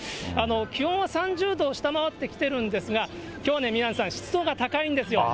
気温は３０度を下回ってきてるんですが、きょうね、宮根さん、湿度が高いんですよ。